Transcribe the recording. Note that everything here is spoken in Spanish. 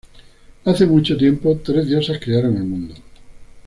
Hace mucho tiempo tres diosas crearon el mundo.